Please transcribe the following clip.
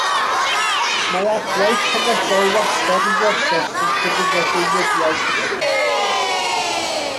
Mae adwaith cemegol wastad yn broses sy'n cyfuno deunyddiau cemegol.